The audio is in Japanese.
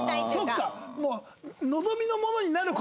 そっか！